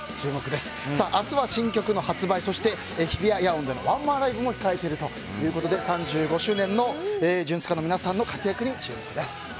明日は新曲の発売そして日比谷野音でのワンマンライブも控えているということで３５周年のジュンスカの皆さんの活躍に期待です。